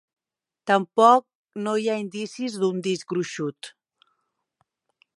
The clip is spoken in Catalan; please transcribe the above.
Tampoc no hi ha indicis d'un disc gruixut.